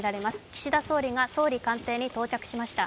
岸田総理が総理官邸に到着しました。